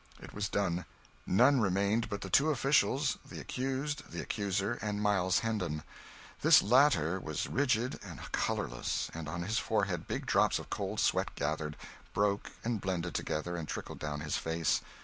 It was done. None remained but the two officials, the accused, the accuser, and Miles Hendon. This latter was rigid and colourless, and on his forehead big drops of cold sweat gathered, broke and blended together, and trickled down his face.